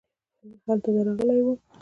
هلته درغلې وم .